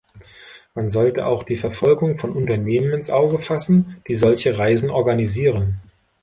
Man sollte auch die Verfolgung von Unternehmen ins Auge fassen, die solche Reisen organisieren.